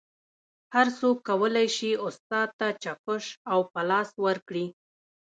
هر څوک کولی شي استاد ته چکش او پلاس ورکړي